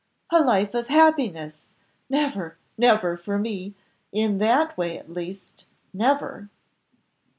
"A life of happiness! never, never for me; in that way at least, never."